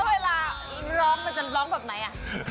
เวลาร้องมันจะร้องแบบไหน